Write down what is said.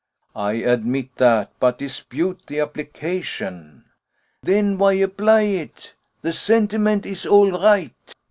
"I admit that, but dispute the application." "Then why apply it? The sentiment is all right."